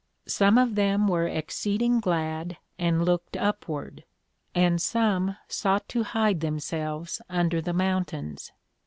Some of them were exceeding glad, and looked upward; and some sought to hide themselves under the Mountains.